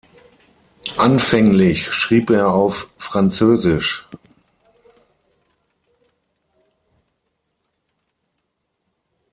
Anfänglich schrieb er auf Französisch.